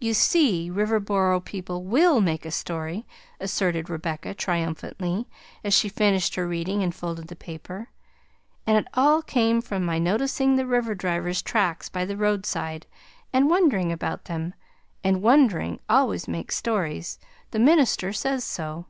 "You see Riverboro people WILL make a story!" asserted Rebecca triumphantly as she finished her reading and folded the paper. "And it all came from my noticing the river drivers' tracks by the roadside, and wondering about them; and wondering always makes stories; the minister says so."